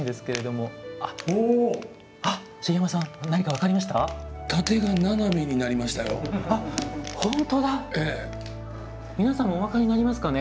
皆さんお分かりになりますかね。